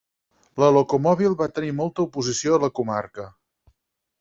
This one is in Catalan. La locomòbil va tenir molta oposició a la comarca.